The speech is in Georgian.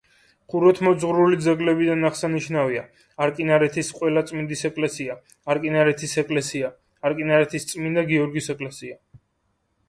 ხუროთმოძღვრული ძეგლებიდან აღსანიშნავია: არკინარეთის ყველაწმინდის ეკლესია, არკინარეთის ეკლესია, არკინარეთის წმინდა გიორგის ეკლესია.